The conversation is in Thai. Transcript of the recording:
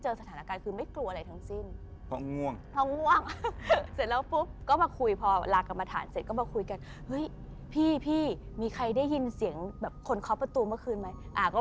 ก็คือเอาน่าซุบไปกับฟุกอะค่ะ